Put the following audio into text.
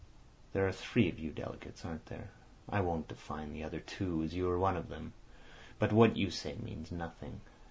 There are three of you delegates, aren't there? I won't define the other two, as you are one of them. But what you say means nothing.